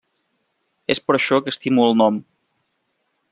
És per això que estimo el nom.